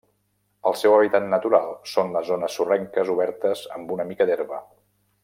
El seu hàbitat natural són les zones sorrenques obertes amb una mica d'herba.